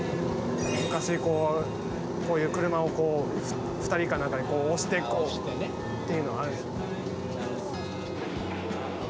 昔こういう車を２人か何かで押してこうっていうのがあるんです。